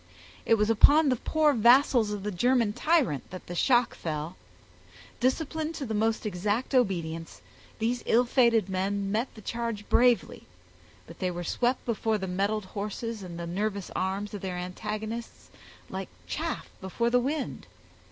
It was upon the poor vassals of the German tyrant that the shock fell. Disciplined to the most exact obedience, these ill fated men met the charge bravely, but they were swept before the mettled horses and nervous arms of their antagonists like chaff before the wind.